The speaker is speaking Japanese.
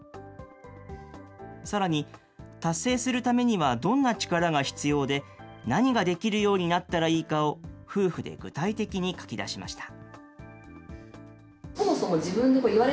さらに、達成するためにはどんな力が必要で、何ができるようになったらいいかを夫婦で具体的に書き出しました。